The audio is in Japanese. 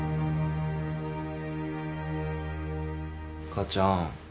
母ちゃん。